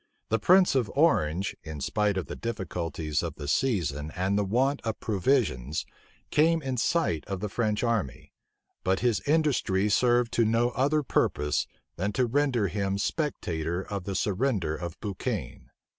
The prince of Orange, in spite of the difficulties of the season and the want of provisions, came in sight of the French army; but his industry served to no other purpose than to render him spectator of the surrender of Bouchaine.